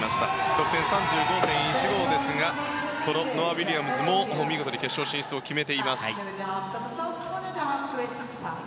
得点３５．１５ですがノア・ウィリアムズも見事に決勝進出を決めています。